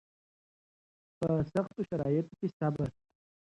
په سختو شرایطو کې صبر